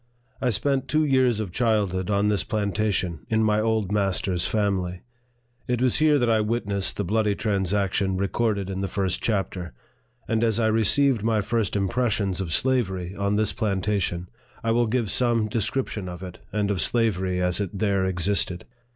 I spent two years of childhood on this plantation in my old master's family. It was here that I witnessed the bloody transaction recorded in the first chapter; and as I received my first impressions of slavery on this plantation, I will give some description of it, and of slavery as it there existed.